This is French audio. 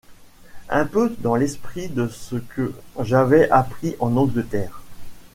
Un peu dans l'esprit de ce que j'avais appris en Angleterre.